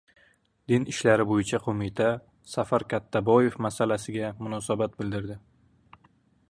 Din ishlari bo‘yicha qo‘mita "Safar Kattaboev masalasi"ga munosabat bildirdi